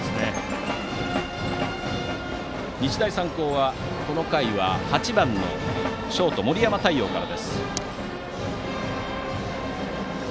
日大三高、この回は８番ショート、森山太陽から。